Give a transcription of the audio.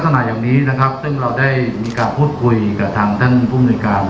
ต้นทางเหตุกาเกิดทุกวันนั่งคิดอย่างหนิว่า